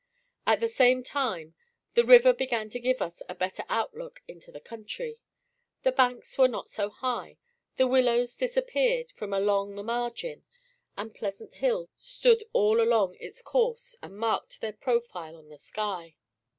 At the same time, the river began to give us a better outlook into the country. The banks were not so high, the willows disappeared from along the margin, and pleasant hills stood all along its course and marked their profile on the sky.